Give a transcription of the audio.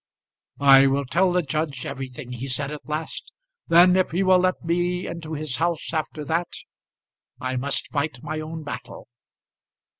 "I will tell the judge everything," he said at last. "Then, if he will let me into his house after that, I must fight my own battle."